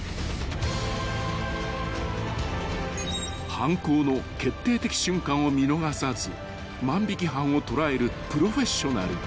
［犯行の決定的瞬間を見逃さず万引犯を捕らえるプロフェッショナル］